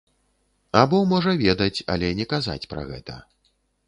Або можа ведаць, але не казаць пра гэта.